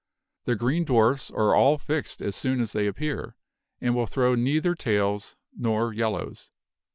The green dwarfs are all fixed as soon as they appear, and will throw neither tails nor yellows.